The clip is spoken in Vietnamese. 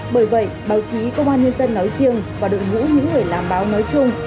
bởi vậy báo chí công an nhân dân nói riêng và đội ngũ những người làm báo nói chung